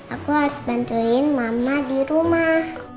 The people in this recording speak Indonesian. aku harus bantuin mama di rumah